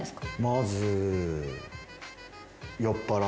まず。